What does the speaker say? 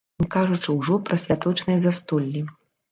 Не кажучы ўжо пра святочныя застоллі.